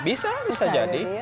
bisa bisa jadi